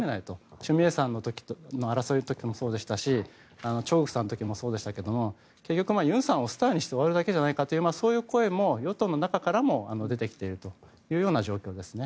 チュ・ミエさんの争いの時もそうでしたしチョ・グクさんの時もそうでしたが結局、ユンさんをスターにして終わるだけだというそういう声も与党の中からも出てきているというような状況ですね。